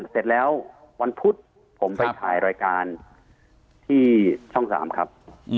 เสร็จแล้ววันพุธผมไปถ่ายรายการที่ช่อง๓ครับ